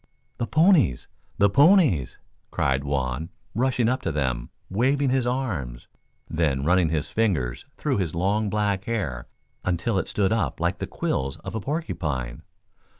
"The ponies! The ponies!" cried Juan, rushing up to them, waving his arms, then running his fingers through his long black hair until it stood up like the quills of a porcupine.